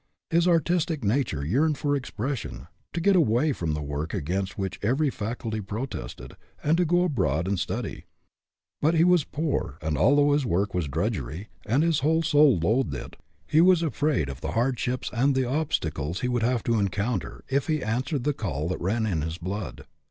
His artistic nature yearned for expression ; to get away from the work against which every faculty protested, and to go abroad and study ; but he was poor, and, although his work was drudgery and his whole soul loathed it, he was afraid of the hardships and the obstacles he would have to encounter if he answered the call that ran in his blood.